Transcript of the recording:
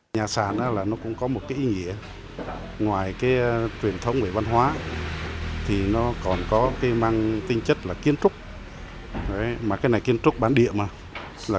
nhà sàn là nó cũng có một cái ý nghĩa ngoài cái truyền thống về văn hóa thì nó còn có cái mang tinh chất là kiến trúc mà cái này kiên trúc bán địa mà